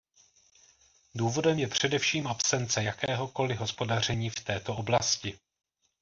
Důvodem je především absence jakéhokoli hospodaření v této oblasti.